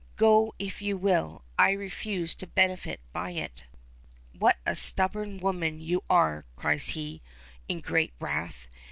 "Go, if you will. I refuse to benefit by it." "What a stubborn woman you are," cries he, in great wrath.